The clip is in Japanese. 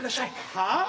はあ？